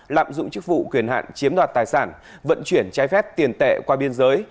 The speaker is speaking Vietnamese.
lạm dụng chức vụ quyền hạn chiếm đoạt tài sản vận chuyển trái phép tiền tệ qua biên giới